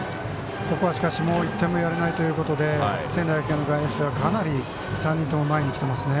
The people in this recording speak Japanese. ここはもう１点もやれないということで仙台育英の外野手はかなり３人とも前に来ていますね。